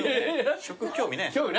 食興味ないんですよ。